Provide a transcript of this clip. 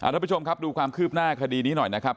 ทุกผู้ชมครับดูความคืบหน้าคดีนี้หน่อยนะครับ